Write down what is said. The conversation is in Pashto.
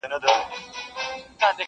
زموږ په لمبه به پردۍ شپې روڼېږي،